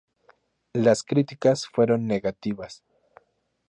Las críticas fueron negativas.